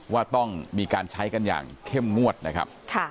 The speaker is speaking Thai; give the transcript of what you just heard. ว่าต้องมีการใช้กันอย่างเข้มงวดนะครับ